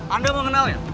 anda mengenal ya